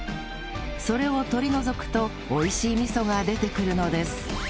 それを取り除くと美味しい味噌が出てくるのです